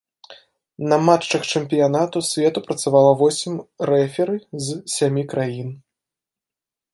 На матчах чэмпіянату свету працавала восем рэферы з сямі краін.